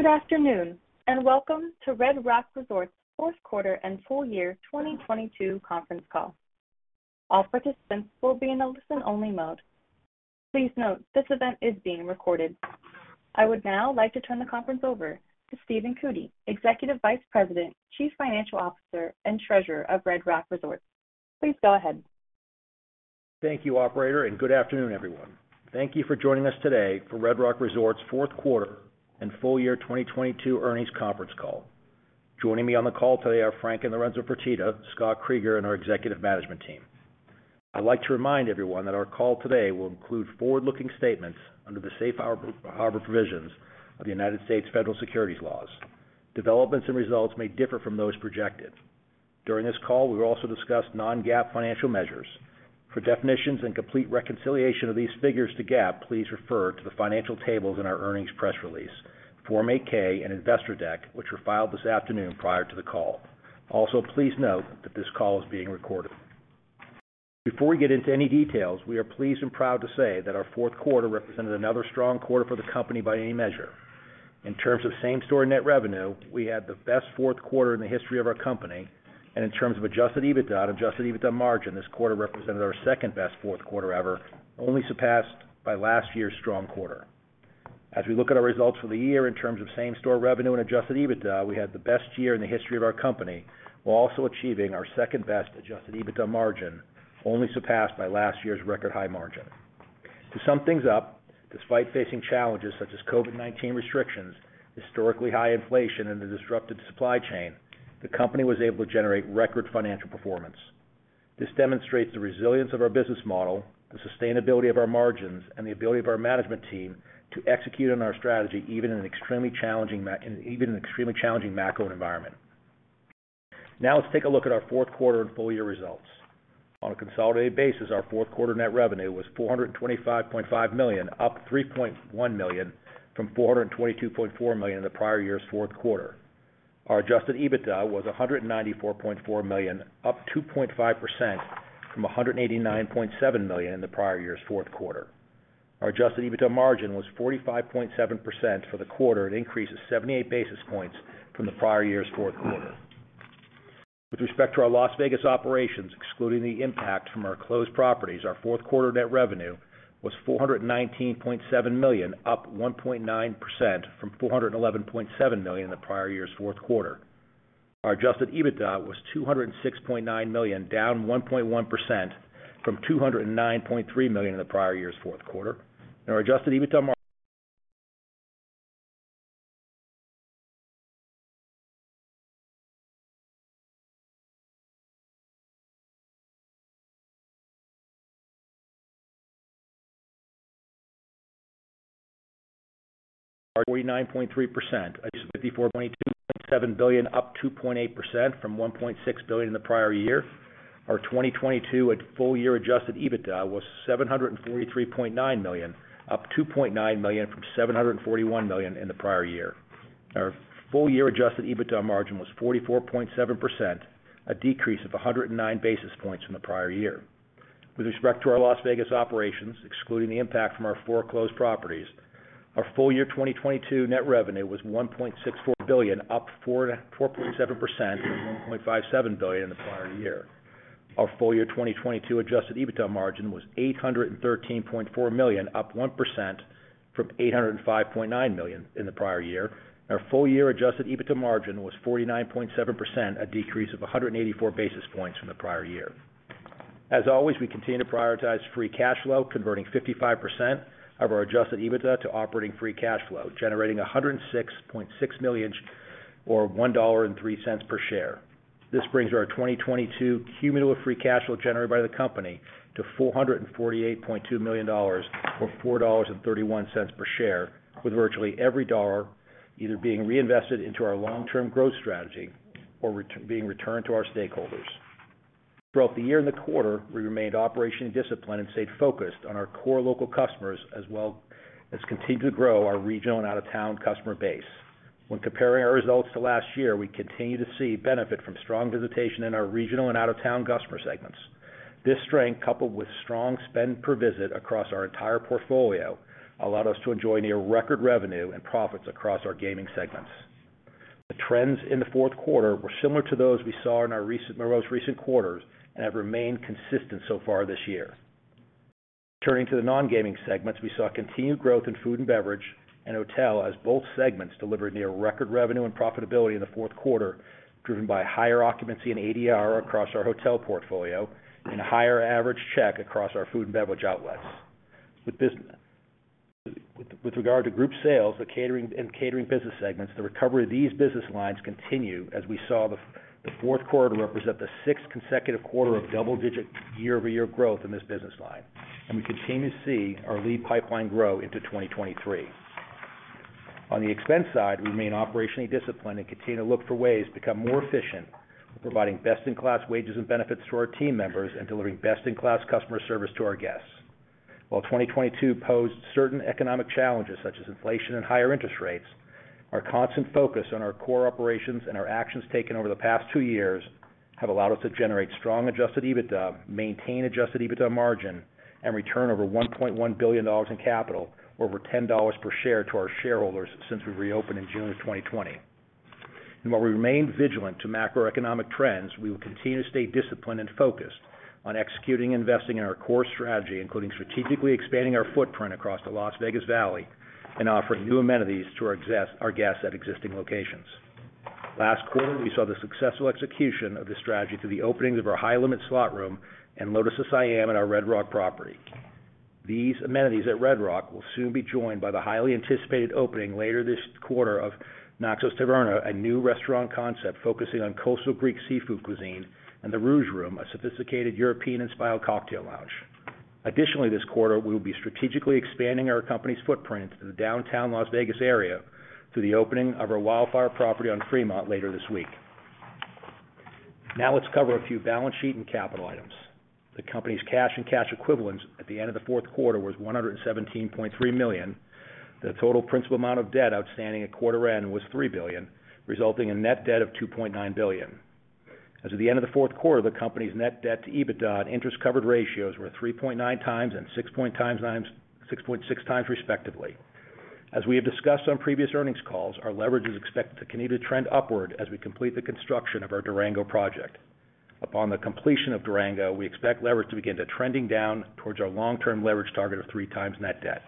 Good afternoon, and welcome to Red Rock Resorts fourth quarter and full-year 2022 conference call. All participants will be in a listen-only mode. Please note this event is being recorded. I would now like to turn the conference over to Stephen Cootey, Executive Vice President, Chief Financial Officer, and Treasurer of Red Rock Resorts. Please go ahead. Thank you operator, Good afternoon, everyone. Thank you for joining us today for Red Rock Resorts fourth quarter and full-year 2022 earnings conference call. Joining me on the call today are Frank and Lorenzo Fertitta, Scott Kreeger, and our executive management team. I'd like to remind everyone that our call today will include forward-looking statements under the safe harbor provisions of the United States federal securities laws. Developments and results may differ from those projected. During this call, we will also discuss non-GAAP financial measures. For definitions and complete reconciliation of these figures to GAAP, please refer to the financial tables in our earnings press release, Form 8-K and Investor Deck, which were filed this afternoon prior to the call. Also, please note that this call is being recorded. Before we get into any details, we are pleased and proud to say that our fourth quarter represented another strong quarter for the company by any measure. In terms of same-store net revenue, we had the best fourth quarter in the history of our company, and in terms of adjusted EBITDA and adjusted EBITDA margin, this quarter represented our second-best fourth quarter ever, only surpassed by last year's strong quarter. As we look at our results for the year in terms of same-store revenue and adjusted EBITDA, we had the best year in the history of our company, while also achieving our second-best adjusted EBITDA margin, only surpassed by last year's record high margin. To sum things up, despite facing challenges such as COVID-19 restrictions, historically high inflation and a disrupted supply chain, the company was able to generate record financial performance. This demonstrates the resilience of our business model, the sustainability of our margins, and the ability of our management team to execute on our strategy even in extremely challenging macro environment. Let's take a look at our fourth quarter and full-year results. On a consolidated basis, our fourth quarter net revenue was $425.5 million, up $3.1 million from $422.4 million in the prior year's fourth quarter. Our adjusted EBITDA was $194.4 million, up 2.5% from $189.7 million in the prior year's fourth quarter. Our adjusted EBITDA margin was 45.7% for the quarter. It increases 78 basis points from the prior year's fourth quarter. With respect to our Las Vegas operations, excluding the impact from our closed properties, our fourth quarter net revenue was $419.7 million, up 1.9% from $411.7 million in the prior year's fourth quarter. Our adjusted EBITDA was $206.9 million, down 1.1% from $209.3 million in the prior year's fourth quarter. Our adjusted EBITDA 49.3%. $54.27 billion, up 2.8% from $1.6 billion in the prior year. Our 2022 full-year adjusted EBITDA was $743.9 million, up $2.9 million from $741 million in the prior year. Our full-year adjusted EBITDA margin was 44.7%, a decrease of 109 basis points from the prior year. With respect to our Las Vegas operations, excluding the impact from our four closed properties, our full-year 2022 net revenue was $1.64 billion, up 4.7% from $1.57 billion in the prior year. Our full-year 2022 adjusted EBITDA margin was $813.4 million, up 1% from $805.9 million in the prior year. Our full-year adjusted EBITDA margin was 49.7%, a decrease of 184 basis points from the prior year. As always, we continue to prioritize free cash flow, converting 55% of our adjusted EBITDA to operating free cash flow, generating $106.6 million, or $1.03 per share. This brings our 2022 cumulative free cash flow generated by the company to $448.2 million, or $4.31 per share, with virtually every dollar either being reinvested into our long-term growth strategy or being returned to our stakeholders. Throughout the year and the quarter, we remained operationally disciplined and stayed focused on our core local customers, as well as continued to grow our regional and out-of-town customer base. When comparing our results to last year, we continue to see benefit from strong visitation in our regional and out-of-town customer segments. This strength, coupled with strong spend per visit across our entire portfolio, allowed us to enjoy near record revenue and profits across our gaming segments. The trends in the fourth quarter were similar to those we saw in our most recent quarters and have remained consistent so far this year. Turning to the non-gaming segments, we saw continued growth in food and beverage and hotel as both segments delivered near record revenue and profitability in the fourth quarter, driven by higher occupancy in ADR across our hotel portfolio and a higher average check across our food and beverage outlets. With regard to group sales, and catering business segments, the recovery of these business lines continue as we saw the fourth quarter represent the sixth consecutive quarter of double-digit year-over-year growth in this business line, and we continue to see our lead pipeline grow into 2023. On the expense side, we remain operationally disciplined and continue to look for ways to become more efficient, providing best-in-class wages and benefits to our team members and delivering best-in-class customer service to our guests. While 2022 posed certain economic challenges such as inflation and higher interest rates, our constant focus on our core operations and our actions taken over the past two years have allowed us to generate strong adjusted EBITDA, maintain adjusted EBITDA margin, and return over $1.1 billion in capital or over $10 per share to our shareholders since we reopened in June of 2020. While we remain vigilant to macroeconomic trends, we will continue to stay disciplined and focused on executing, investing in our core strategy, including strategically expanding our footprint across the Las Vegas Valley and offering new amenities to our guests at existing locations. Last quarter, we saw the successful execution of this strategy through the openings of our high-limit slot room and Lotus of Siam at our Red Rock property. These amenities at Red Rock will soon be joined by the highly anticipated opening later this quarter of Naxos Taverna, a new restaurant concept focusing on coastal Greek seafood cuisine, and the Rouge Room, a sophisticated European-inspired cocktail lounge. Additionally, this quarter, we will be strategically expanding our company's footprint into the downtown Las Vegas area through the opening of our Wildfire property on Fremont later this week. Now let's cover a few balance sheet and capital items. The company's cash and cash equivalents at the end of the fourth quarter was $117.3 million. The total principal amount of debt outstanding at quarter end was $3 billion, resulting in net debt of $2.9 billion. As of the end of the fourth quarter, the company's net debt to EBITDA and interest-covered ratios were 3.9x and 6.6x, respectively. As we have discussed on previous earnings calls, our leverage is expected to continue to trend upward as we complete the construction of our Durango project. Upon the completion of Durango, we expect leverage to begin to trending down towards our long-term leverage target of 3x net debt.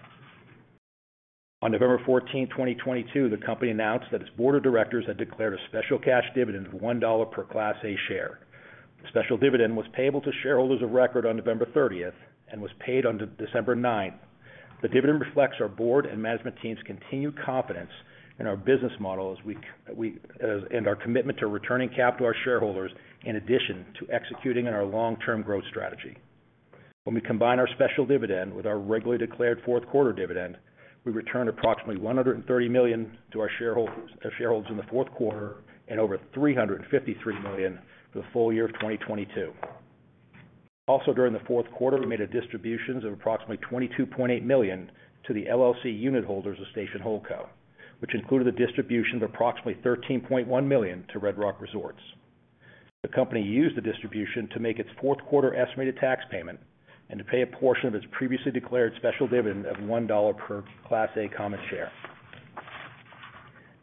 On November 14, 2022, the company announced that its board of directors had declared a special cash dividend of $1 per Class A share. The special dividend was payable to shareholders of record on November 30 and was paid on December 9. The dividend reflects our board and management team's continued confidence in our business model as we and our commitment to returning capital to our shareholders in addition to executing on our long-term growth strategy. When we combine our special dividend with our regularly declared fourth quarter dividend, we returned approximately $130 million to our shareholders in the fourth quarter and over $353 million for the full-year of 2022. During the fourth quarter, we made a distributions of approximately $22.8 million to the LLC unit holders of Station Holdco, which included a distribution of approximately $13.1 million to Red Rock Resorts. The company used the distribution to make its fourth quarter estimated tax payment and to pay a portion of its previously declared special dividend of $1 per Class A common share.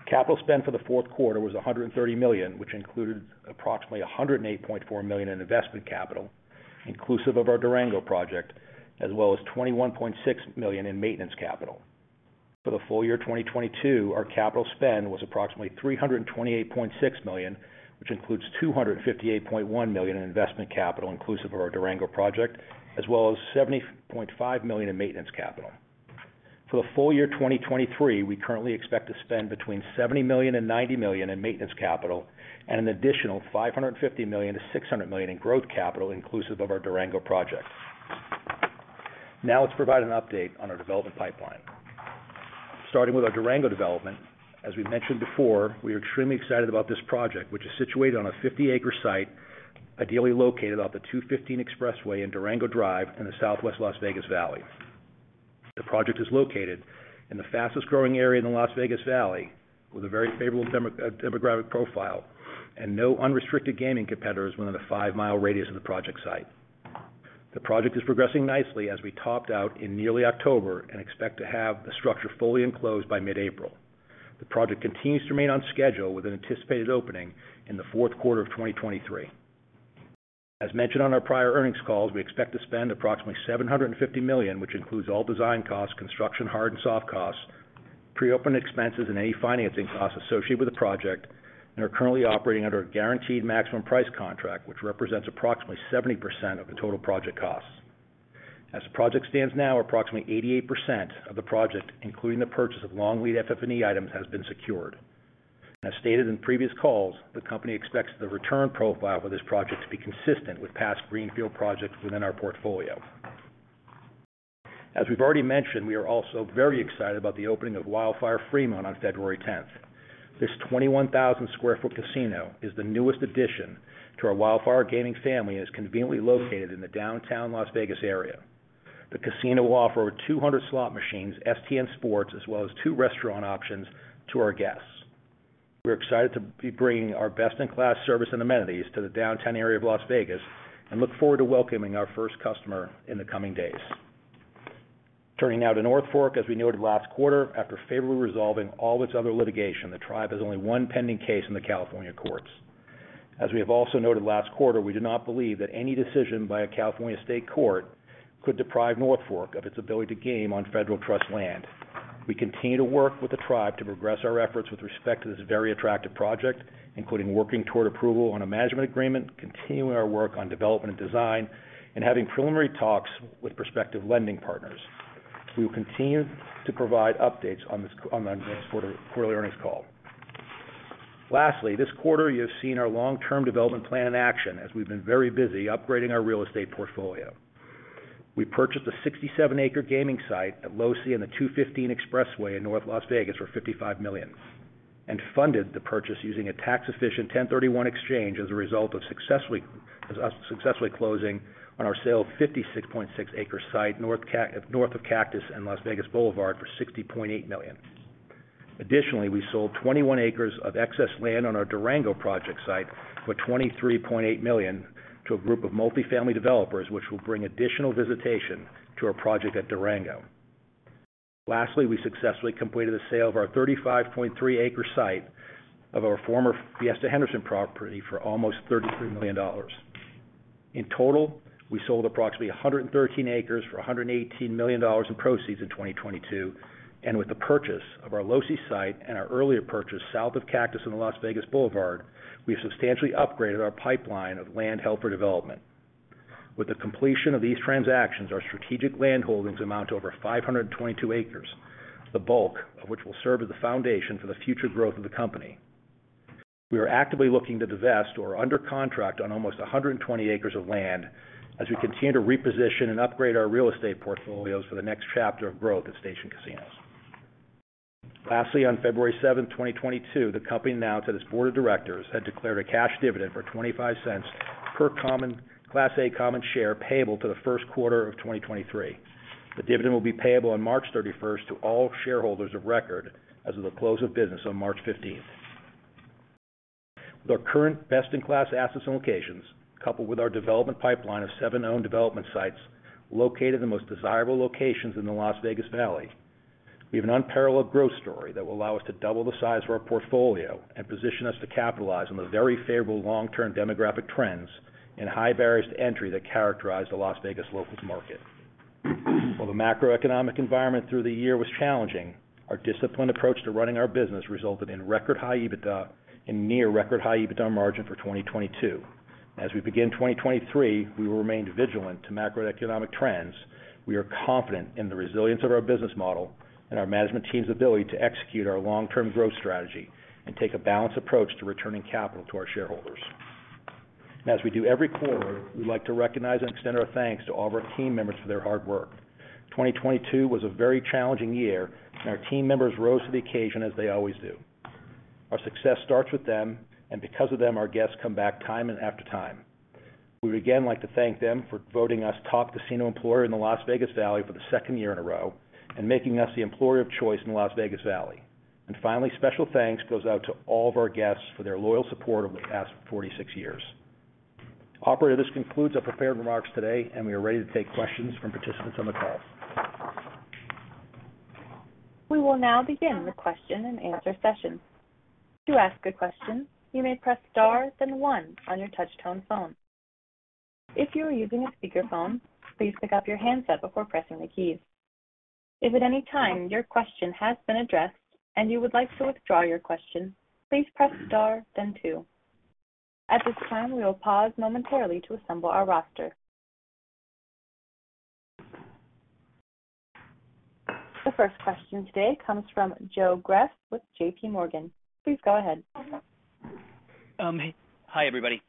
Capital spend for the fourth quarter was $130 million, which included approximately $108.4 million in investment capital, inclusive of our Durango project, as well as $21.6 million in maintenance capital. For the full-year 2022, our capital spend was approximately $328.6 million, which includes $258.1 million in investment capital inclusive of our Durango project, as well as $70.5 million in maintenance capital. For the full-year 2023, we currently expect to spend between $70 million and $90 million in maintenance capital and an additional $550 million-$600 million in growth capital inclusive of our Durango project. Now let's provide an update on our development pipeline. Starting with our Durango development, as we mentioned before, we are extremely excited about this project, which is situated on a 50-acre site, ideally located off the 215 Expressway and Durango Drive in the southwest Las Vegas Valley. The project is located in the fastest-growing area in the Las Vegas Valley with a very favorable demographic profile and no unrestricted gaming competitors within a 5-mile radius of the project site. The project is progressing nicely as we topped out in nearly October and expect to have the structure fully enclosed by mid-April. The project continues to remain on schedule with an anticipated opening in the fourth quarter of 2023. As mentioned on our prior earnings calls, we expect to spend approximately $750 million, which includes all design costs, construction, hard and soft costs, pre-open expenses, and any financing costs associated with the project, and are currently operating under a guaranteed maximum-price contract, which represents approximately 70% of the total project costs. As the project stands now, approximately 88% of the project, including the purchase of long-lead FF&E items, has been secured. As stated in previous calls, the company expects the return profile for this project to be consistent with past greenfield projects within our portfolio. As we've already mentioned, we are also very excited about the opening of Wildfire Fremont on February 10th. This 21,000 sq ft casino is the newest addition to our Wildfire Gaming family and is conveniently located in the downtown Las Vegas area. The casino will offer over 200 slot machines, STN Sports, as well as two restaurant options to our guests. We're excited to be bringing our best-in-class service and amenities to the downtown area of Las Vegas and look forward to welcoming our first customer in the coming days. Turning now to North Fork. As we noted last quarter, after favorably resolving all of its other litigation, the tribe has only one pending case in the California courts. As we have also noted last quarter, we do not believe that any decision by a California state court could deprive North Fork of its ability to game on federal trust land. We continue to work with the tribe to progress our efforts with respect to this very attractive project, including working toward approval on a management agreement, continuing our work on development and design, and having preliminary talks with prospective lending partners. We will continue to provide updates on the next quarterly earnings call. This quarter, you have seen our long-term development plan in action as we've been very busy upgrading our real estate portfolio. We purchased a 67-acre gaming site at Losee and the 215 Expressway in North Las Vegas for $55 million and funded the purchase using a tax-efficient 1031 exchange as a result of us successfully closing on our sale of 56.6 acre site north of Cactus in Las Vegas Boulevard for $60.8 million. Additionally, we sold 21 acres of excess land on our Durango project site for $23.8 million to a group of multifamily developers, which will bring additional visitation to our project at Durango. Lastly, we successfully completed the sale of our 35.3 acre site of our former Fiesta Henderson property for almost $33 million dollars. In total, we sold approximately 113 acres for $118 million in proceeds in 2022, and with the purchase of our Losee site and our earlier purchase south of Cactus in the Las Vegas Boulevard, we've substantially upgraded our pipeline of land held for development. With the completion of these transactions, our strategic land holdings amount to over 522 acres, the bulk of which will serve as the foundation for the future growth of the company. We are actively looking to divest or are under contract on almost 120 acres of land as we continue to reposition and upgrade our real estate portfolios for the next chapter of growth at Station Casinos. On February 7th, 2022, the company announced that its board of directors had declared a cash dividend for $0.25 per Class A common share payable to the first quarter of 2023. The dividend will be payable on March 31st to all shareholders of record as of the close of business on March 15th. With our current best-in-class assets and locations, coupled with our development pipeline of seven owned development sites located in the most desirable locations in the Las Vegas Valley, we have an unparalleled growth story that will allow us to double the size of our portfolio and position us to capitalize on the very favorable long-term demographic trends and high barriers to entry that characterize the Las Vegas locals market. While the macroeconomic environment through the year was challenging, our disciplined approach to running our business resulted in record high EBITDA and near record high EBITDA margin for 2022. As we begin 2023, we will remain vigilant to macroeconomic trends. We are confident in the resilience of our business model and our management team's ability to execute our long-term growth strategy and take a balanced approach to returning capital to our shareholders. As we do every quarter, we'd like to recognize and extend our thanks to all of our team members for their hard work. 2022 was a very challenging year, and our team members rose to the occasion as they always do. Our success starts with them, because of them, our guests come back time and after time. We would again like to thank them for voting us top casino employer in the Las Vegas Valley for the 2nd year in a row and making us the employer of choice in the Las Vegas Valley. Finally, special thanks goes out to all of our guests for their loyal support over the past 46 years. Operator, this concludes our prepared remarks today, and we are ready to take questions from participants on the call. We will now begin the question-and-answer session. To ask a question, you may press star then one on your touch tone phone. If you are using a speakerphone, please pick up your handset before pressing the keys. If at any time your question has been addressed and you would like to withdraw your question, please press star then two. At this time, we will pause momentarily to assemble our roster. The first question today comes from Joe Greff with JPMorgan. Please go ahead. Hi, everybody.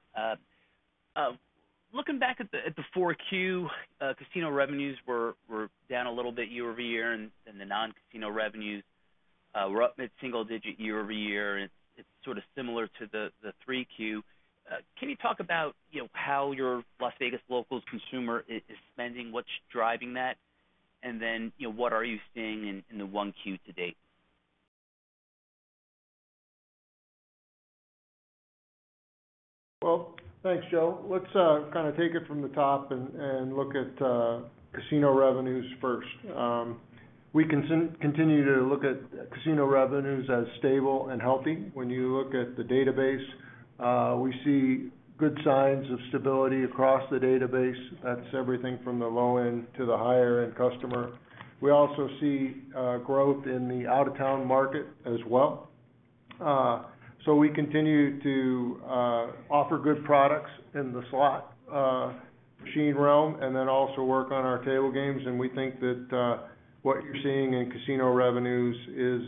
Looking back at the 4Q, casino revenues were down a little bit year-over-year, and then the non-casino revenues were up mid-single digit year-over-year, and it's sort of similar to the 3Q. Can you talk about, you know, how your Las Vegas locals consumer is spending, what's driving that? You know, what are you seeing in the 1Q to date? Well, thanks, Joe. Let's kind of take it from the top and look at casino revenues first. We continue to look at casino revenues as stable and healthy. When you look at the database, we see good signs of stability across the database. That's everything from the low end to the higher end customer. We also see growth in the out-of-town market as well. We continue to offer good products in the slot machine realm, and then also work on our table games. We think that what you're seeing in casino revenues is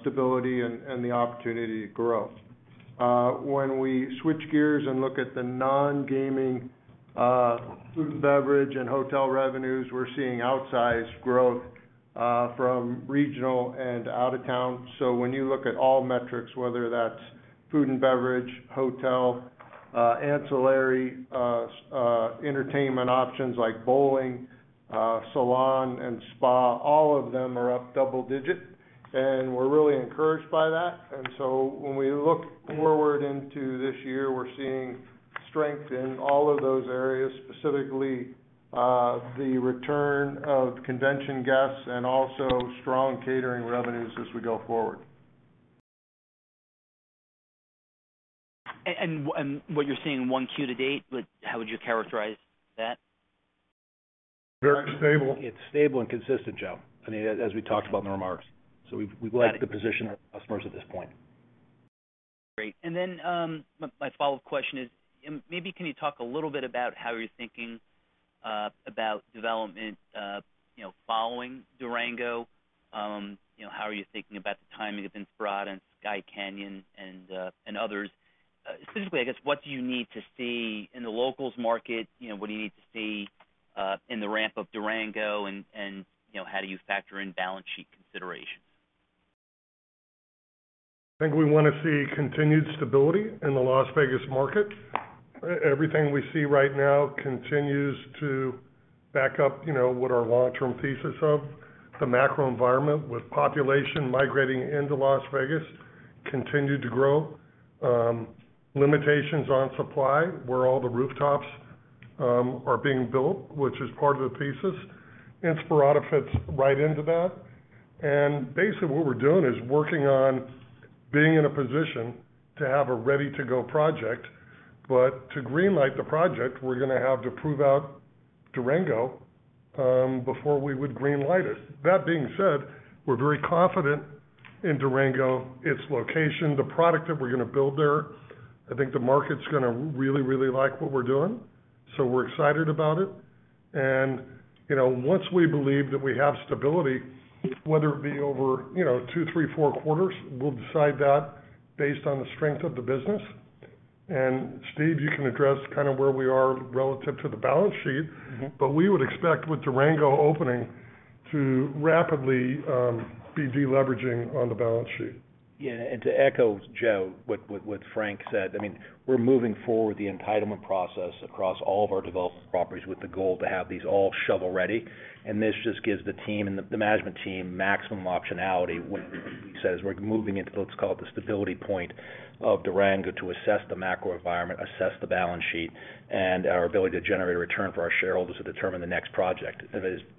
stability and the opportunity to grow. When we switch gears and look at the nongaming, food and beverage and hotel revenues, we're seeing outsized growth from regional and out of town. When you look at all metrics, whether that's food and beverage, hotel, ancillary, entertainment options like bowling, salon and spa, all of them are up double-digit, and we're really encouraged by that. When we look forward into this year, we're seeing strength in all of those areas, specifically, the return of convention guests and also strong catering revenues as we go forward. What you're seeing in 1Q to date, like how would you characterize that? Very stable. It's stable and consistent, Joe, I mean, as we talked about in the remarks. We like the position our customers are at this point. Great. My follow-up question is, maybe can you talk a little bit about how you're thinking about development, you know, following Durango? You know, how are you thinking about the timing of Inspirada and Skye Canyon and others? Specifically, I guess, what do you need to see in the locals market? You know, what do you need to see in the ramp of Durango and, you know, how do you factor in balance sheet considerations? I think we wanna see continued stability in the Las Vegas market. Everything we see right now continues to back up, you know, what our long-term thesis of the macro environment with population migrating into Las Vegas continue to grow, limitations on supply where all the rooftops are being built, which is part of the thesis, and Inspirada fits right into that. Basically, what we're doing is working on being in a position to have a ready-to-go project. To green light the project, we're gonna have to prove out Durango before we would green light it. That being said, we're very confident in Durango, its location, the product that we're gonna build there. I think the market's gonna really, really like what we're doing, we're excited about it. You know, once we believe that we have stability, whether it be over, you know, two, three, four quarters, we'll decide that based on the strength of the business. Stephen, you can address kinda where we are relative to the balance sheet. We would expect with Durango opening to rapidly be deleveraging on the balance sheet. Yeah. To echo Joe, what Frank said, I mean, we're moving forward the entitlement process across all of our development properties with the goal to have these all shovel-ready. This just gives the team and the management team maximum optionality. When he says we're moving into, let's call it the stability point of Durango to assess the macro environment, assess the balance sheet, and our ability to generate a return for our shareholders to determine the next project.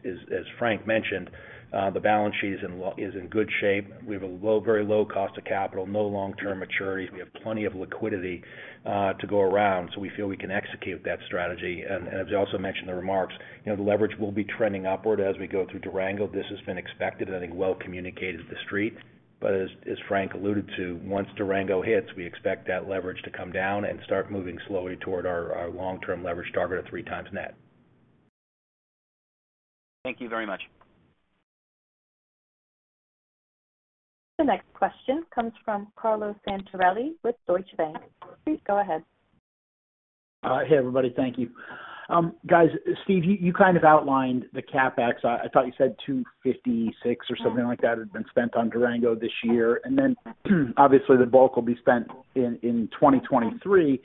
As Frank mentioned, the balance sheet is in good shape. We have a very low cost of capital, no long-term maturities. We have plenty of liquidity to go around, so we feel we can execute that strategy. As he also mentioned the remarks, you know, the leverage will be trending upward as we go through Durango. This has been expected and, I think, well communicated to the street. As Frank alluded to, once Durango hits, we expect that leverage to come down and start moving slowly toward our long-term leverage target of three times net. Thank you very much. The next question comes from Carlo Santarelli with Deutsche Bank. Please go ahead. Hey, everybody. Thank you. Guys, Steve, you kind of outlined the CapEx. I thought you said $256 million or something like that had been spent on Durango this year. Obviously the bulk will be spent in 2023.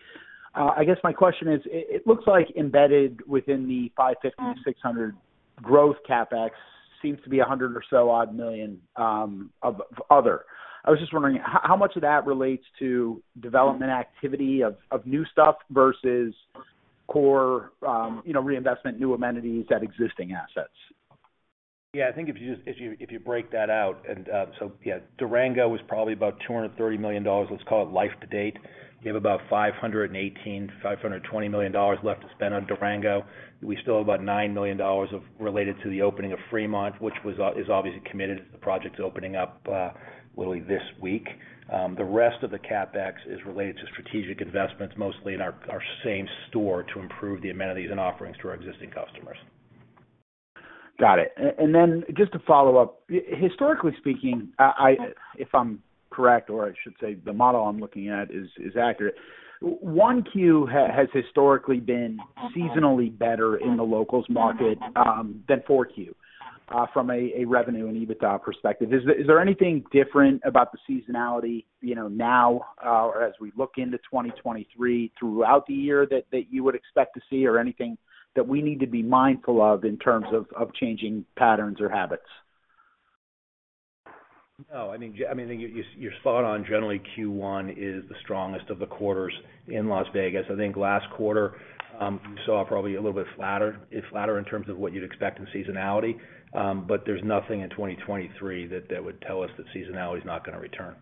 I guess my question is, it looks like embedded within the $550 million-$600 million growth CapEx seems to be $100 million or so of other. I was just wondering how much of that relates to development activity of new stuff versus core, you know, reinvestment, new amenities at existing assets? Yeah. I think if you break that out, yeah, Durango was probably about $230 million, let's call it life to date. You have about $518 million-$520 million left to spend on Durango. We still have about $9 million related to the opening of Fremont, which is obviously committed. The project's opening up literally this week. The rest of the CapEx is related to strategic investments, mostly in our same store to improve the amenities and offerings to our existing customers. Got it. Just to follow up, historically speaking, I if I'm correct, or I should say the model I'm looking at is accurate, 1Q has historically been seasonally better in the locals market than 4Q from a revenue and EBITDA perspective. Is there anything different about the seasonality, you know, now, or as we look into 2023 throughout the year that you would expect to see or anything that we need to be mindful of in terms of changing patterns or habits? No, I mean, your thought on generally Q1 is the strongest of the quarters in Las Vegas. I think last quarter, you saw probably a little bit flatter, it flattered in terms of what you'd expect in seasonality. There's nothing in 2023 that would tell us that seasonality is not gonna return.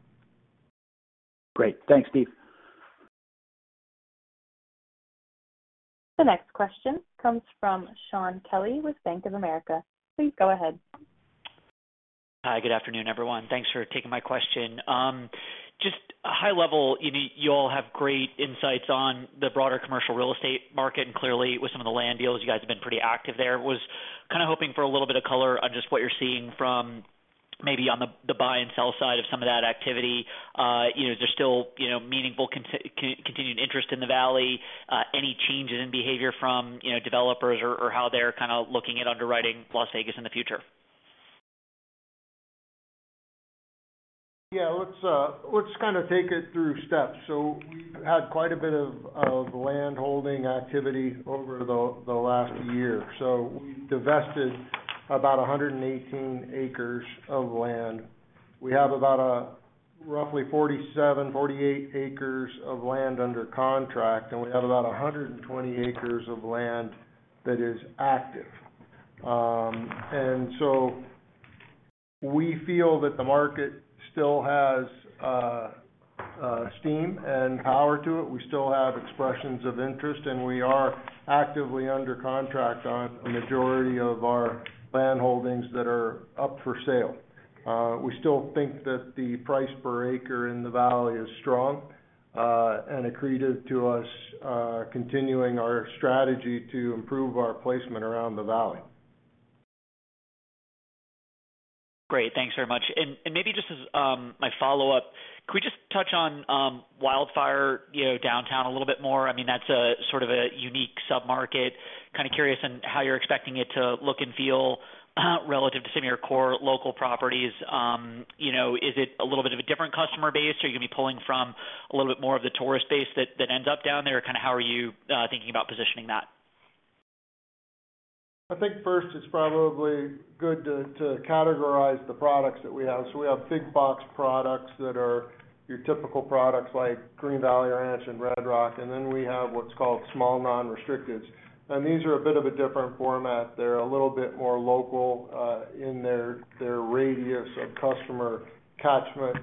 Great. Thanks, Steve Wieczynski. The next question comes from Shaun Kelley with Bank of America. Please go ahead. Hi, good afternoon, everyone. Thanks for taking my question. Just a high level, you know, you all have great insights on the broader commercial real estate market, clearly with some of the land deals, you guys have been pretty active there. Was kinda hoping for a little bit of color on just what you're seeing from maybe on the buy and sell side of some of that activity, you know, is there still, you know, meaningful continued interest in the valley? Any changes in behavior from, you know, developers or how they're kinda looking at underwriting Las Vegas in the future? Let's kinda take it through steps. We've had quite a bit of landholding activity over the last year. We divested about 118 acres of land. We have about roughly 47, 48 acres of land under contract, and we have about 120 acres of land that is active. We feel that the market still has steam and power to it. We still have expressions of interest, and we are actively under contract on a majority of our landholdings that are up for sale. We still think that the price per acre in the valley is strong and accretive to us, continuing our strategy to improve our placement around the valley. Great. Thanks very much. Maybe just as, my follow-up, could we just touch on Wildfire, you know, downtown a little bit more? I mean, that's a sort of a unique submarket. Kinda curious on how you're expecting it to look and feel relative to some of your core local properties. You know, is it a little bit of a different customer base? Are you gonna be pulling from a little bit more of the tourist base that ends up down there? Kinda how are you thinking about positioning that? I think first it's probably good to categorize the products that we have. We have big box products that are your typical products like Green Valley Ranch and Red Rock, and then we have what's called small non-restricteds. These are a bit of a different format. They're a little bit more local in their radius of customer catchment.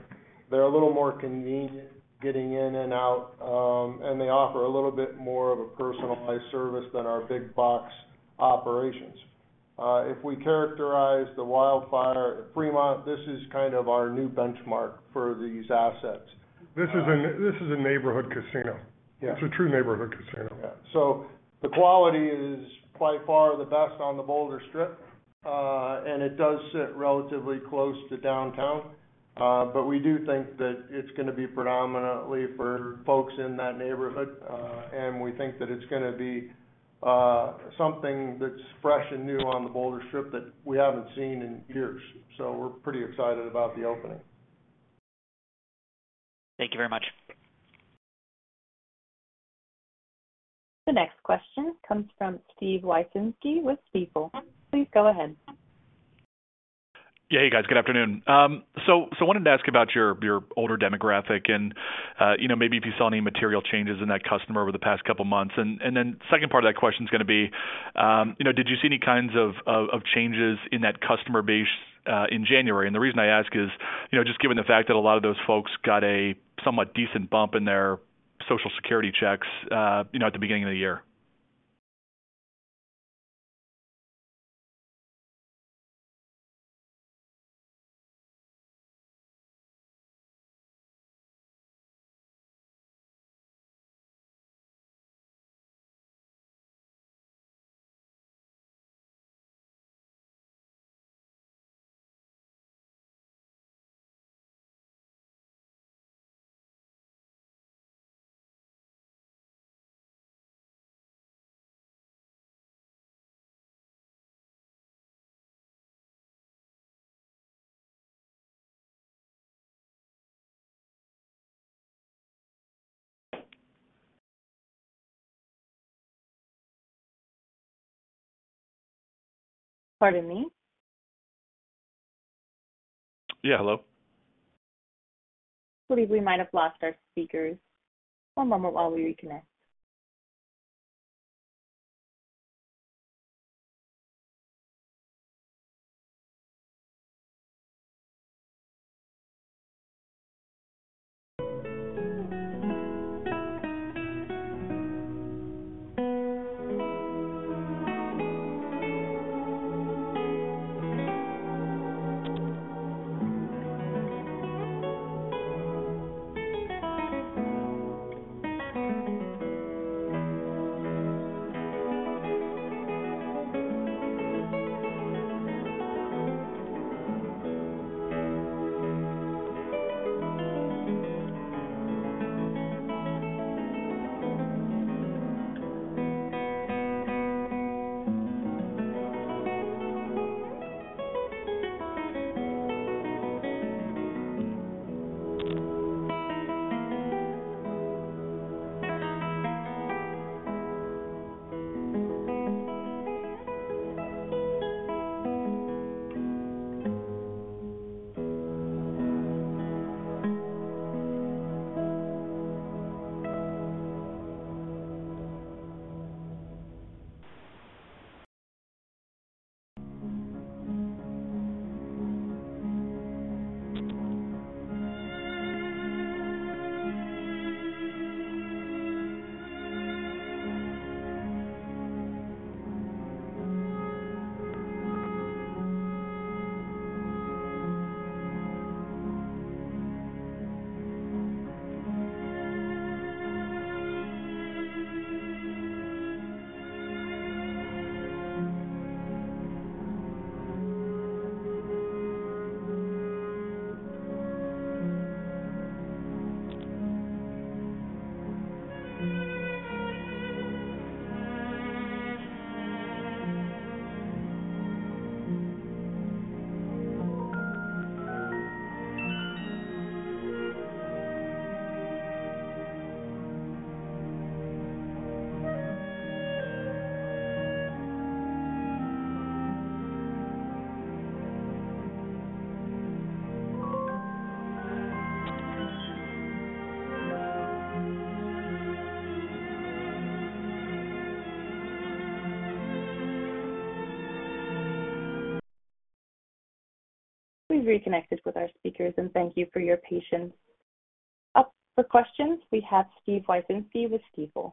They're a little more convenient getting in and out, and they offer a little bit more of a personalized service than our big box operations. If we characterize the Wildfire at Fremont, this is kind of our new benchmark for these assets. This is a neighborhood casino. It's a true neighborhood casino. The quality is by far the best on the Boulder Strip, and it does sit relatively close to downtown. We do think that it's gonna be predominantly for folks in that neighborhood, and we think that it's gonna be something that's fresh and new on the Boulder Strip that we haven't seen in years. We're pretty excited about the opening. Thank you very much. The next question comes from Steve Wieczynski with Stifel. Please go ahead. Yeah. Hey, guys. Good afternoon. So wanted to ask about your older demographic and, you know, maybe if you saw any material changes in that customer over the past couple months. Then second part of that question's gonna be, you know, did you see any kinds of changes in that customer base in January? The reason I ask is, you know, just given the fact that a lot of those folks got a somewhat decent bump in their Social Security checks, you know, at the beginning of the year. Pardon me? Yeah. Hello? I believe we might have lost our speakers. One moment while we reconnect. We've reconnected with our speakers, and thank you for your patience. Up for questions, we have Steve Wieczynski with Stifel.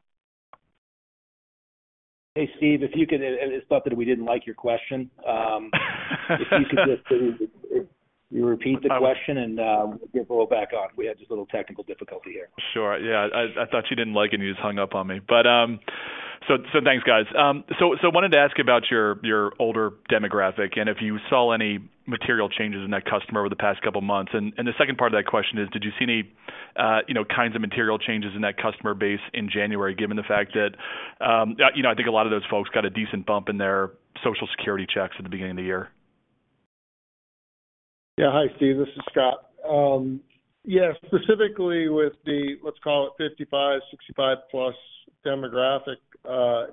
Hey, Steve, if you could, it's not that we didn't like your question. If you could just, you repeat the question and, we'll roll back on. We had just a little technical difficulty here. Sure. Yeah. I thought you didn't like it and you just hung up on me. Thanks guys. Wanted to ask about your older demographic, and if you saw any material changes in that customer over the past couple of months. The second part of that question is did you see any, you know, kinds of material changes in that customer base in January, given the fact that, you know, I think a lot of those folks got a decent bump in their Social Security checks at the beginning of the year? Yeah. Hi, Steve. This is Scott. Yeah. Specifically with the, let's call it 55, 65 plus demographic,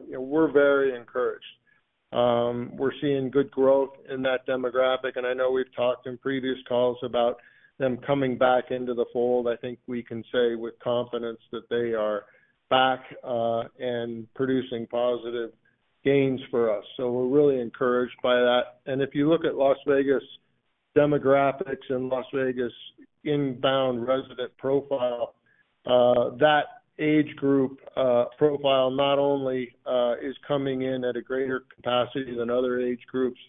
you know, we're very encouraged. We're seeing good growth in that demographic, and I know we've talked in previous calls about them coming back into the fold. I think we can say with confidence that they are back, and producing positive gains for us. We're really encouraged by that. If you look at Las Vegas demographics and Las Vegas inbound resident profile, that age group, profile not only, is coming in at a greater capacity than other age groups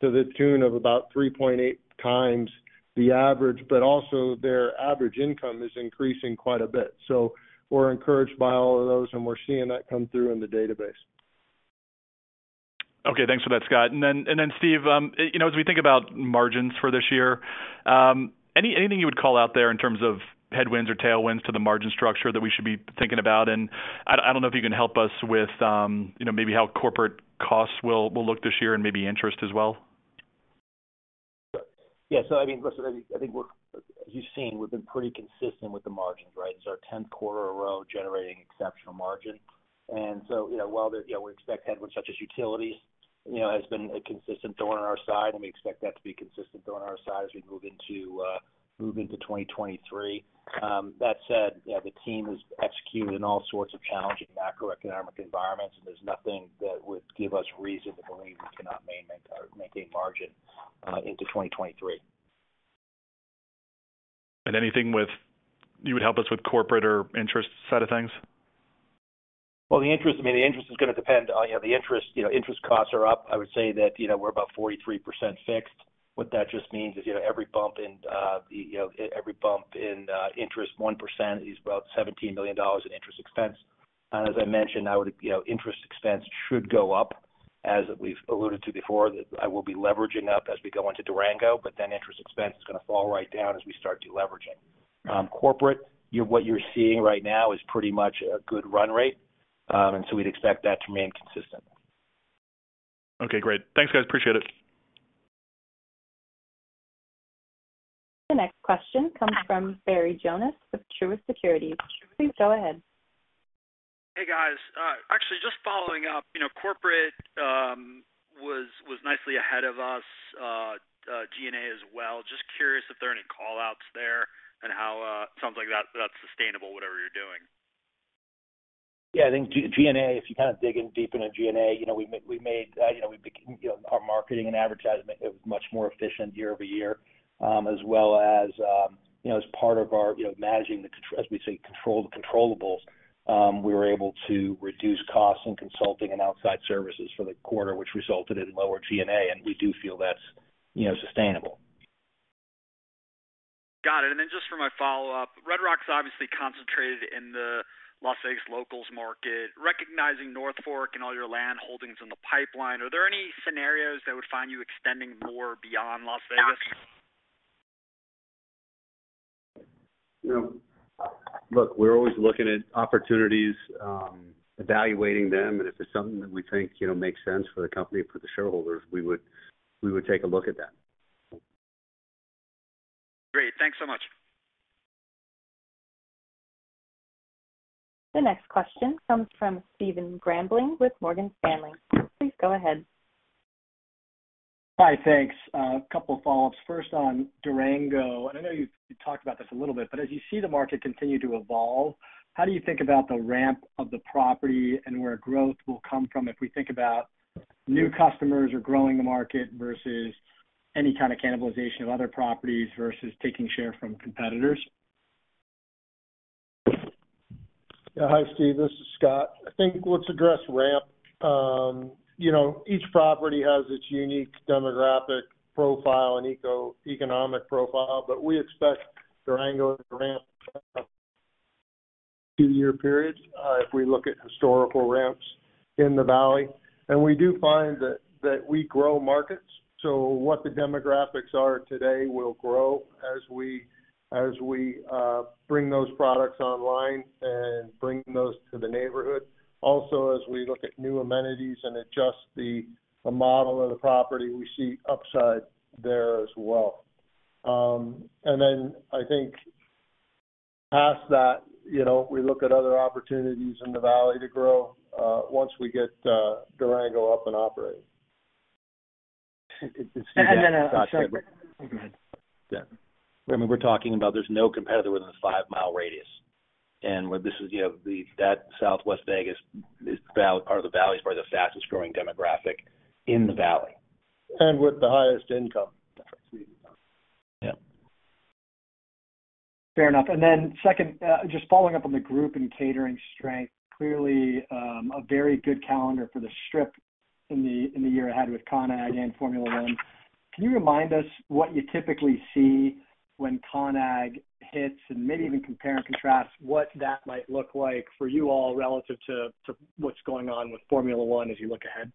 to the tune of about 3.8 times the average, but also their average income is increasing quite a bit. We're encouraged by all of those, and we're seeing that come through in the database. Okay. Thanks for that, Scott. Stephen, you know, as we think about margins for this year, anything you would call out there in terms of headwinds or tailwinds to the margin structure that we should be thinking about? I don't know if you can help us with, you know, maybe how corporate costs will look this year and maybe interest as well. I mean, listen, I think, as you've seen, we've been pretty consistent with the margins, right? It's our 10th quarter in a row generating exceptional margin. You know, while there's, we expect headwinds such as utilities, you know, has been a consistent thorn on our side, and we expect that to be consistent thorn on our side as we move into 2023. That said, you know, the team has executed in all sorts of challenging macroeconomic environments, and there's nothing that would give us reason to believe we cannot maintain margin into 2023. You would help us with corporate or interest side of things? Well, the interest, I mean, the interest is gonna depend on, you know, interest costs are up. I would say that, you know, we're about 43% fixed. What that just means is, you know, every bump in interest 1% is about $17 million in interest expense. As I mentioned, you know, interest expense should go up. As we've alluded to before, that I will be leveraging up as we go into Durango, interest expense is gonna fall right down as we start deleveraging. Corporate, what you're seeing right now is pretty much a good run rate. We'd expect that to remain consistent. Okay, great. Thanks, guys. Appreciate it. The next question comes from Barry Jonas with Truist Securities. Please go ahead. Hey, guys. actually, just following up. You know, corporate was nicely ahead of us, G&A as well. Just curious if there are any call-outs there and how it sounds like that's sustainable, whatever you're doing. I think G&A, if you kind of dig in deep into G&A, you know, we made, you know, we became, you know, our marketing and advertisement is much more efficient year-over-year, as well as, you know, as part of our, you know, managing the as we say, control the controllables, we were able to reduce costs in consulting and outside services for the quarter, which resulted in lower G&A, and we do feel that's, you know, sustainable. Got it. Just for my follow-up, Red Rock's obviously concentrated in the Las Vegas locals market. Recognizing North Fork and all your land holdings in the pipeline, are there any scenarios that would find you extending more beyond Las Vegas? You know, look, we're always looking at opportunities, evaluating them, and if it's something that we think, you know, makes sense for the company and for the shareholders, we would take a look at that. Great. Thanks so much. The next question comes from Stephen Grambling with Morgan Stanley. Please go ahead. Hi. Thanks. A couple of follow-ups. First on Durango, and I know you've talked about this a little bit, but as you see the market continue to evolve, how do you think about the ramp of the property and where growth will come from if we think about new customers or growing the market versus any kind of cannibalization of other properties versus taking share from competitors? Yeah. Hi, Steve, this is Scott. I think let's address ramp. you know, each property has its unique demographic profile and eco-economic profile, but we expect Durango to ramp up two-year periods if we look at historical ramps in the valley. We do find that we grow markets. What the demographics are today will grow as we bring those products online and bring those to the neighborhood. Also, as we look at new amenities and adjust the model of the property, we see upside there as well. I think past that, you know, we look at other oppportunitiesin the valley to grow once we get Durango up and operating. It's Steve. And then- Scott, yeah. Oh, go ahead. Yeah. I mean, we're talking about there's no competitor within a five-mile radius. Where this is, you know, that Southwest Vegas is part of the Valley is probably the fastest growing demographic in the Valley. With the highest income. Yeah. Fair enough. Second, just following up on the group and catering strength, clearly, a very good calendar for the Strip. In the year ahead with CONAG and Formula One, can you remind us what you typically see when CONAG hits? And maybe even compare and contrast what that might look like for you all relative to what's going on with Formula One as you look ahead.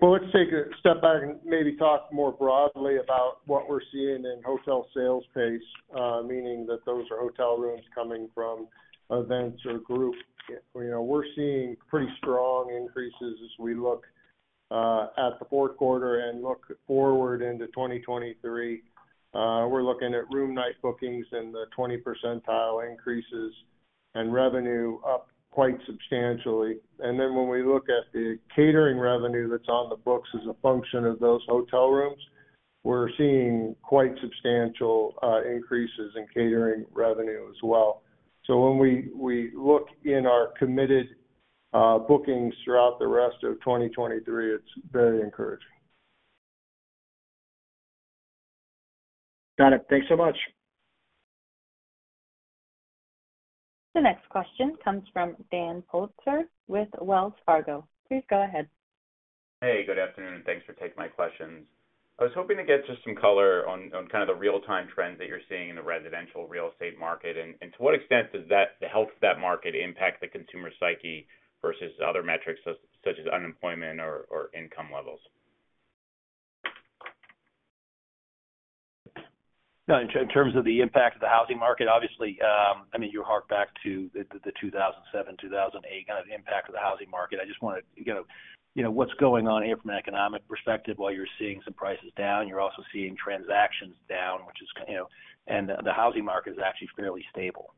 Well, let's take a step back and maybe talk more broadly about what we're seeing in hotel sales pace, meaning that those are hotel rooms coming from events or groups. You know, we're seeing pretty strong increases as we look at the fourth quarter and look forward into 2023. We're looking at room night bookings in the 20% increases and revenue up quite substantially. Then when we look at the catering revenue that's on the books as a function of those hotel rooms, we're seeing quite substantial increases in catering revenue as well. When we look in our committed bookings throughout the rest of 2023, it's very encouraging. Got it. Thanks so much. The next question comes from Daniel Politzer with Wells Fargo. Please go ahead. Hey, good afternoon. Thanks for taking my questions. I was hoping to get just some color on kind of the real-time trends that you're seeing in the residential real estate market. To what extent does the health of that market impact the consumer psyche versus other metrics such as unemployment or income levels? No. In terms of the impact of the housing market, obviously, I mean, you hark back to the 2007, 2008 kind of impact of the housing market. I just want to, you know, what's going on here from an economic perspective, while you're seeing some prices down, you're also seeing transactions down, which is, you know. The housing market is actually fairly stable.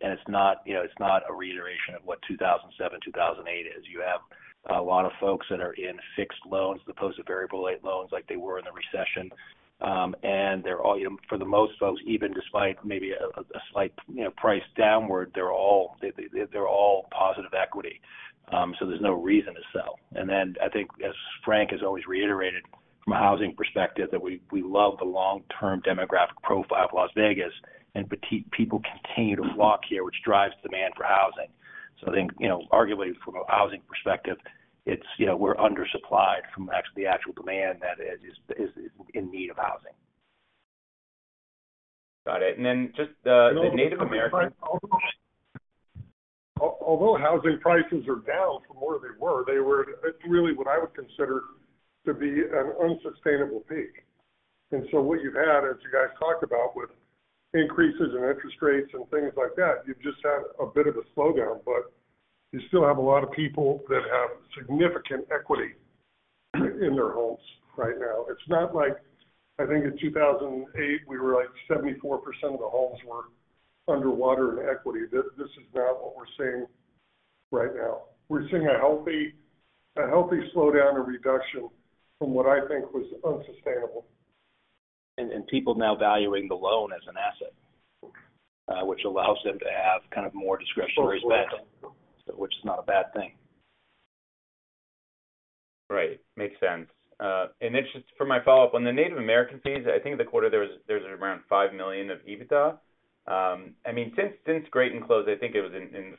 It's not, you know, it's not a reiteration of what 2007, 2008 is. You have a lot of folks that are in fixed loans as opposed to variable rate loans like they were in the recession. They're all, you know, for the most folks, even despite maybe a slight, you know, price downward, they're all positive equity. There's no reason to sell. Then I think, as Frank has always reiterated from a housing perspective, that we love the long-term demographic profile of Las Vegas, and petite people continue to flock here, which drives demand for housing. I think, you know, arguably from a housing perspective, it's, you know, we're undersupplied from the actual demand that is in need of housing. Got it. Just the Native American. Although housing prices are down from where they were, they were at really what I would consider to be an unsustainable peak. What you've had, as you guys talked about with increases in interest rates and things like that, you've just had a bit of a slowdown, but you still have a lot of people that have significant equity in their homes right now. It's not like, I think in 2008, we were like 74% of the homes were underwater in equity. This is not what we're seeing right now. We're seeing a healthy slowdown and reduction from what I think was unsustainable. People now valuing the loan as an asset, which allows them to have kind of more discretionary spending, which is not a bad thing. Right. Makes sense. Just for my follow-up, on the Native American fees, I think in the quarter, there was around $5 million of EBITDA. I mean, since Graton closed, I think it was in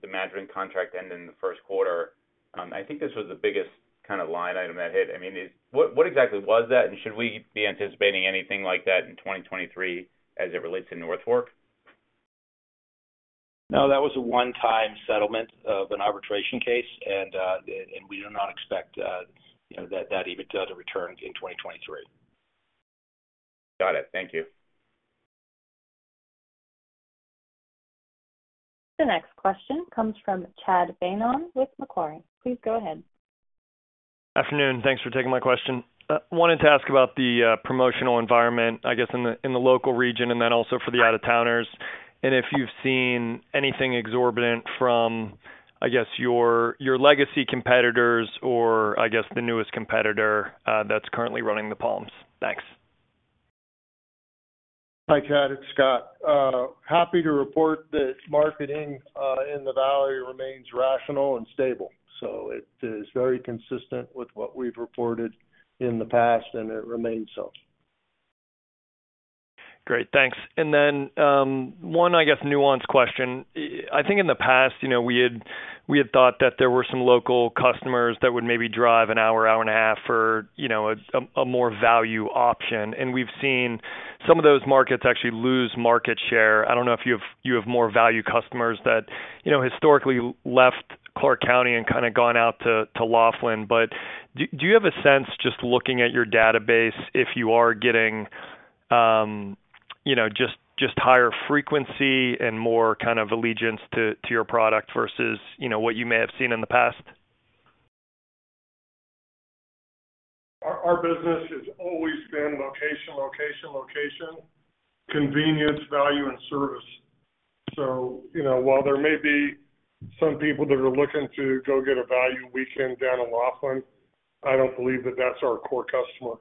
the management contract ended in the first quarter, I think this was the biggest kind of line item that hit. I mean, what exactly was that? Should we be anticipating anything like that in 2023 as it relates to North Fork? No, that was a one-time settlement of an arbitration case, and we do not expect, you know, that EBITDA to return in 2023. Got it. Thank you. The next question comes from Chad Beynon with Macquarie. Please go ahead. Afternoon. Thanks for taking my question. wanted to ask about the promotional environment, I guess, in the, in the local region and then also for the out-of-towners. If you've seen anything exorbitant from, I guess, your legacy competitors or I guess the newest competitor, that's currently running the Palms. Thanks. Hi, Chad. It's Scott. happy to report that marketing in the valley remains rational and stable. It is very consistent with what we've reported in the past, and it remains so. Great. Thanks. One, I guess, nuanced question. I think in the past, you know, we had thought that there were some local customers that would maybe drive an hour and a half for, you know, a more value option. We've seen some of those markets actually lose market share. I don't know if you have more value customers that, you know, historically left Clark County and kinda gone out to Laughlin. Do you have a sense, just looking at your database, if you are getting, you know, just higher frequency and more kind of allegiance to your product versus, you know, what you may have seen in the past? Our business has always been location, location, convenience, value, and service. You know, while there may be some people that are looking to go get a value weekend down in Laughlin, I don't believe that that's our core customer.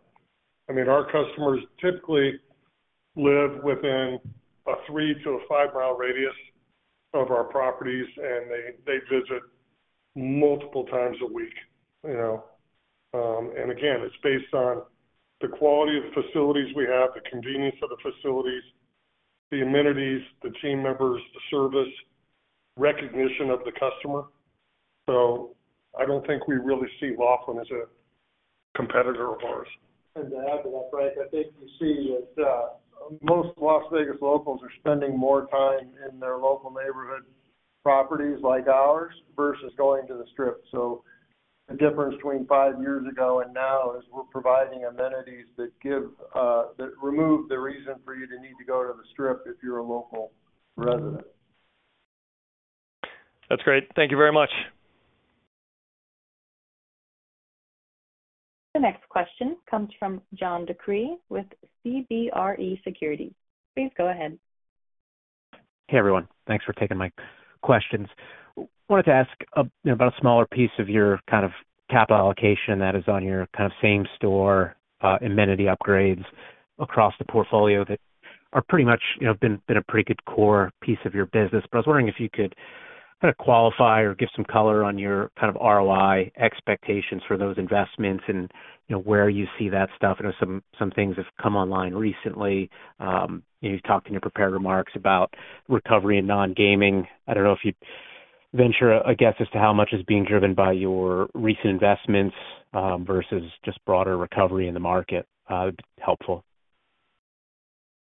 I mean, our customers typically live within a three to a five-mile radius of our properties, and they visit multiple times a week, you know. Again, it's based on the quality of the facilities we have, the convenience of the facilities, the amenities, the team members, the service, recognition of the customer. I don't think we really see Laughlin as a competitor of ours. To add to that, Frank, I think you see that, most Las Vegas locals are spending more time in their local neighborhood properties like ours versus going to The Strip. The difference between five years ago and now is we're providing amenities that give, that remove the reason for you to need to go to The Strip if you're a local resident. That's great. Thank you very much. The next question comes from John DeCree with CBRE Securities. Please go ahead. Hey, everyone. Thanks for taking my questions. Wanted to ask about a smaller piece of your kind of capital allocation that is on your kind of same store amenity upgrades across the portfolio that are pretty much, you know, been a pretty good core piece of your business. I was wondering if you could kind of qualify or give some color on your kind of ROI expectations for those investments and, you know, where you see that stuff. I know some things have come online recently. You talked in your prepared remarks about recovery in non-gaming. I don't know if you'd venture a guess as to how much is being driven by your recent investments versus just broader recovery in the market. That'd be helpful.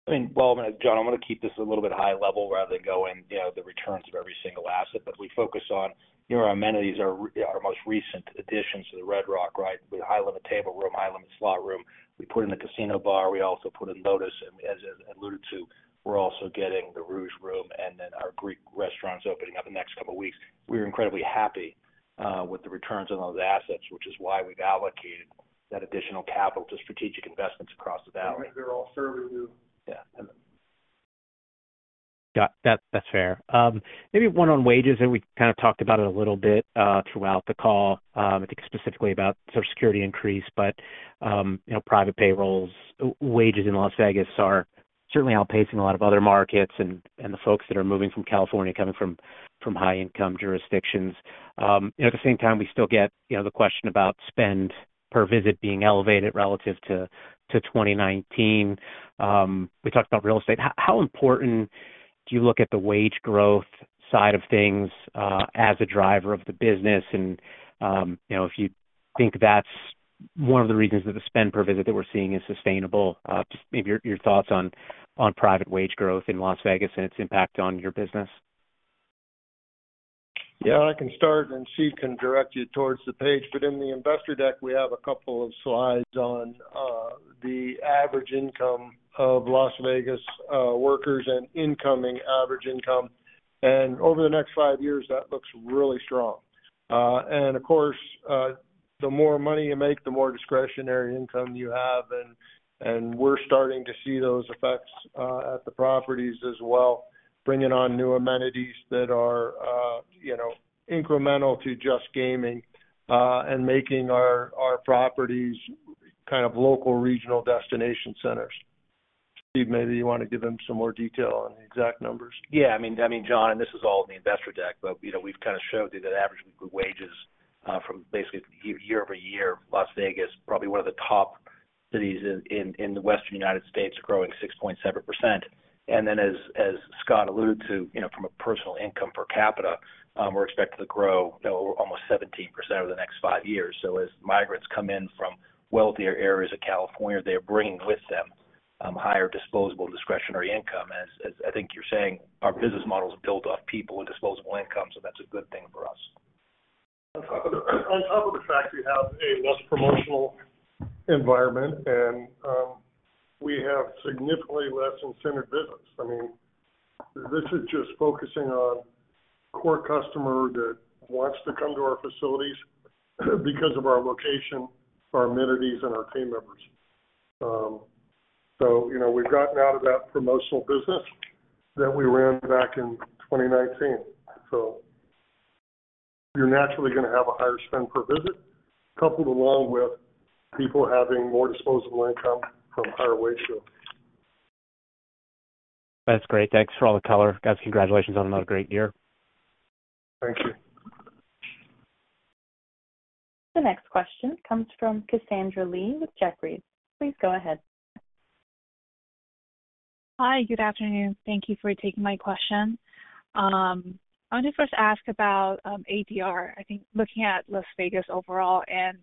I mean, well, John, I'm going to keep this a little bit high level rather than go in, you know, the returns of every single asset. We focus on, you know, our amenities are, you know, our most recent additions to the Red Rock, right? With high limit table room, high limit slot room. We put in a casino bar. We also put in Lotus. As alluded to, we're also getting the Rouge Room, and then our Greek restaurant's opening up in the next couple weeks. We're incredibly happy with the returns on those assets, which is why we've allocated that additional capital to strategic investments across the valley. They're all serving you. Yeah. That, that's fair. Maybe one on wages, and we kind of talked about it a little bit throughout the call, I think specifically about Social Security increase. You know, private payrolls, wages in Las Vegas are certainly outpacing a lot of other markets and the folks that are moving from California coming from high-income jurisdictions. You know, at the same time, we still get, you know, the question about spend per visit being elevated relative to 2019. We talked about real estate. How important do you look at the wage growth side of things as a driver of the business? You know, if you think that's one of the reasons that the spend per visit that we're seeing is sustainable, just maybe your thoughts on private wage growth in Las Vegas and its impact on your business? Yeah, I can start, and Steve can direct you towards the page. In the investor deck, we have a couple of slides on the average income of Las Vegas workers and incoming average income. Over the next 5 years, that looks really strong. Of course, the more money you make, the more discretionary income you have, and we're starting to see those effects at the properties as well, bringing on new amenities that are, you know, incremental to just gaming, and making our properties kind of local regional destination centers. Steve, maybe you want to give him some more detail on the exact numbers. I mean, John, this is all in the investor deck, but, you know, we've kind of showed you that average weekly wages, from basically year-over-year, Las Vegas, probably one of the top cities in the Western United States, growing 6.7%. As Scott alluded to, you know, from a personal income per capita, we're expected to grow, you know, almost 17% over the next five years. As migrants come in from wealthier areas of California, they're bringing with them higher disposable discretionary income. As I think you're saying, our business model is built off people and disposable income, that's a good thing for us. On top of the fact we have a less promotional environment and we have significantly less incented business. I mean, this is just focusing on core customer that wants to come to our facilities because of our location, our amenities, and our team members. You know, we've gotten out of that promotional business that we ran back in 2019. You're naturally gonna have a higher spend per visit coupled along with people having more disposable income from higher wage growth. That's great. Thanks for all the color. Guys, congratulations on another great year. Thank you. The next question comes from Cassandra Lee with Jefferies. Please go ahead. Hi, good afternoon. Thank you for taking my question. I want to first ask about ADR. I think looking at Las Vegas overall and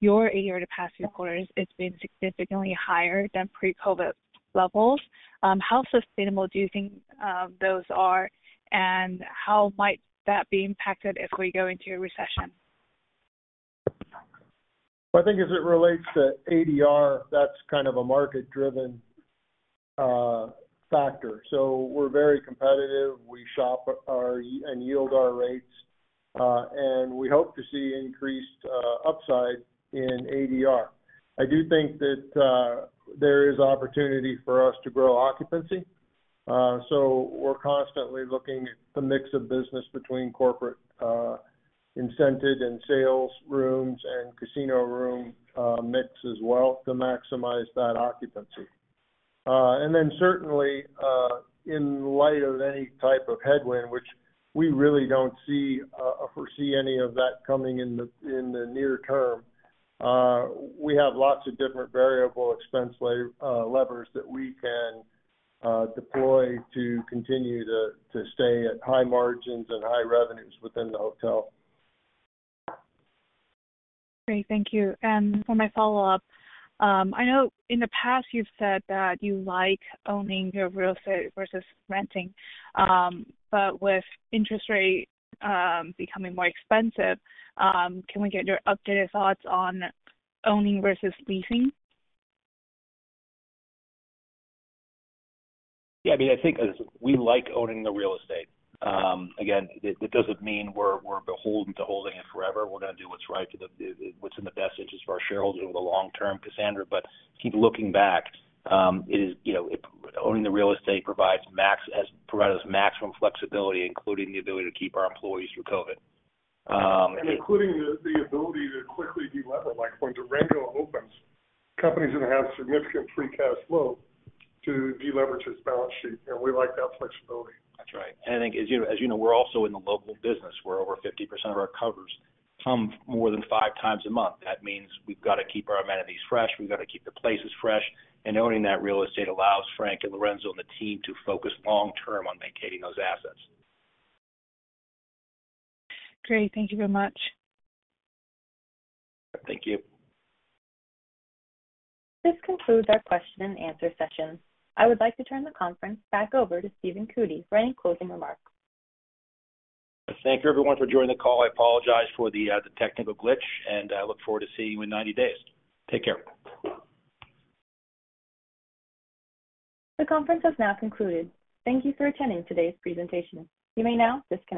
your ADR the past few quarters, it's been significantly higher than pre-COVID levels. How sustainable do you think those are, and how might that be impacted if we go into a recession? I think as it relates to ADR, that's kind of a market-driven factor. We're very competitive. We shop our and yield our rates, and we hope to see increased upside in ADR. I do think that there is opportunity for us to grow occupancy, we're constantly looking at the mix of business between corporate incented and sales rooms and casino room mix as well to maximize that occupancy. Certainly, in light of any type of headwind, which we really don't see foresee any of that coming in the near term, we have lots of different variable expense lay levers that we can deploy to continue to stay at high margins and high revenues within the hotel. Great. Thank you. For my follow-up, I know in the past you've said that you like owning your real estate versus renting. With interest rates becoming more expensive, can we get your updated thoughts on owning versus leasing? Yeah. I mean, I think as we like owning the real estate, again, it doesn't mean we're beholden to holding it forever. We're gonna do what's in the best interest of our shareholders over the long term, Cassandra. If you looking back, it is, you know, Owning the real estate has provided us maximum flexibility, including the ability to keep our employees through COVID. Including the ability to quickly delever. Like, when Durango opens, companies that have significant free cash flow to deleverage its balance sheet. We like that flexibility. That's right. I think as you know, we're also in the local business, where over 50% of our covers come more than 5x a month. That means we've gotta keep our amenities fresh, we've gotta keep the places fresh, and owning that real estate allows Frank and Lorenzo and the team to focus long-term on maintaining those assets. Great. Thank you very much. Thank you. This concludes our question and answer session. I would like to turn the conference back over to Stephen Cootey for any closing remarks. Thank you everyone for joining the call. I apologize for the technical glitch, and I look forward to seeing you in 90 days. Take care. The conference has now concluded. Thank you for attending today's presentation. You may now disconnect.